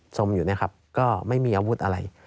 มอยู่เนี่ยครับก็ไม่มีอาวุธอะไร